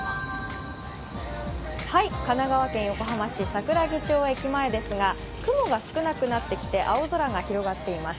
神奈川県横浜市・桜木町駅前ですが、雲が少なくなってきて、青空が広がっています。